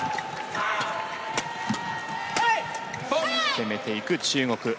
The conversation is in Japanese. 攻めていく中国。